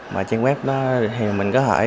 mà trang web đó thì mình có thể